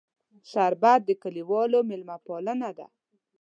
شربت د کلیوالو میلمهپالنه ده